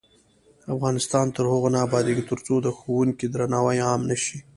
افغانستان تر هغو نه ابادیږي، ترڅو د ښوونکي درناوی عام نشي.